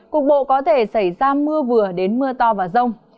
cục bộ có thể xảy ra mưa vừa đến mưa to và rông